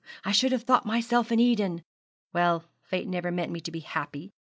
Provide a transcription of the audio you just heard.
I should have thought myself in Eden. Well, fate never meant me to be happy.